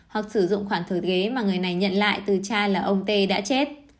hoặc sử dụng khoản thừa kế mà người này nhận lại từ cha là ông tê đã chết